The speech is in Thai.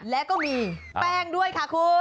และก็มีแป้งด้วยค่ะคุณ